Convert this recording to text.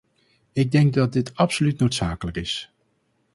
Ik denk dat dit absoluut noodzakelijk is.